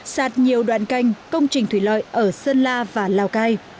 sạt nhiều đoạn canh công trình thủy lợi ở sơn la và lào cai